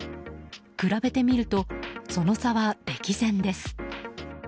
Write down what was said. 比べてみると、その差は歴然です。